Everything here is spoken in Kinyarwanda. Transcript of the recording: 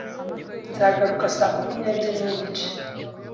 Nzagaruka saa kumi n'ebyiri n'igice.